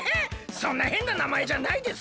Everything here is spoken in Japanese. そんなへんななまえじゃないです。